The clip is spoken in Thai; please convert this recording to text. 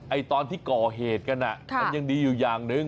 ตอนที่ก่อเหตุกันมันยังดีอยู่อย่างหนึ่ง